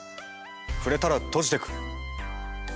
触れたら閉じてく。